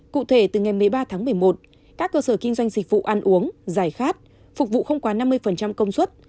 cụ thể từ ngày một mươi ba tháng một mươi một các cơ sở kinh doanh dịch vụ ăn uống giải khát phục vụ không quá năm mươi công suất